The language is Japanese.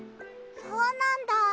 そうなんだ。